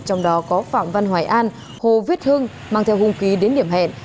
trong đó có phạm văn hoài an hồ viết hưng mang theo hung khí đến điểm hẹn